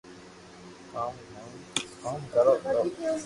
ڪون ڪو ھون ڪوم ڪرو تو